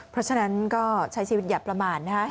เพราะฉะนั้นก็ใช้ชีวิตอย่าประมาณนะฮะ